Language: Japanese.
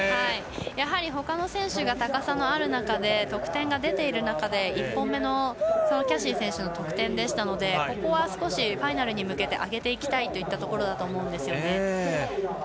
ほかの選手が高さのある中で得点が出ている中での１本目のキャシー選手の得点でしたのでここは少しファイナルに向けて上げていきたいところだと思うんですね。